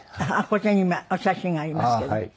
こちらに今お写真がありますけど。